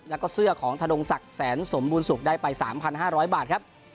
แล้วก็เสื้อของธนงศักดิ์แสนสมบูรณสุขได้ไป๓๕๐๐บาทครับ